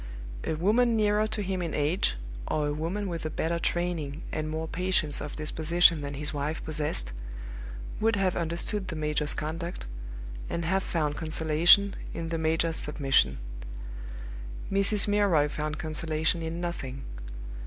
A woman nearer to him in age, or a woman with a better training and more patience of disposition than his wife possessed, would have understood the major's conduct, and have found consolation in the major's submission. Mrs. Milroy found consolation in nothing.